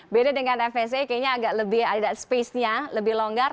beda dengan fsa kayaknya agak lebih ada space nya lebih longgar